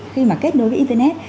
khi mà kết nối với internet